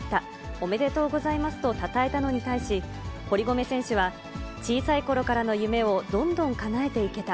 おめでとうございますとたたえたのに対し、堀米選手は、小さいころからの夢をどんどんかなえていけた。